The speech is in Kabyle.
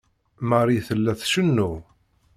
Marie tella tcennu.